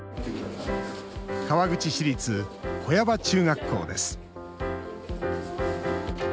川口市立小谷場中学校です。